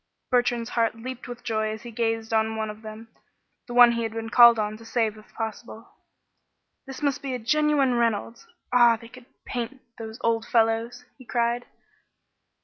Bertrand's heart leaped with joy as he gazed on one of them, the one he had been called on to save if possible. "This must be a genuine Reynolds. Ah! They could paint, those old fellows!" he cried.